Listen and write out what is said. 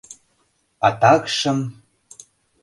А такшым...